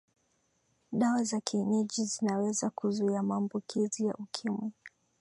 dawa za kienyeji zinaweza kuzuia maambukizi ya ukimwi